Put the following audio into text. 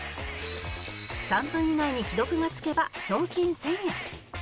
３分以内に既読がつけば賞金１０００円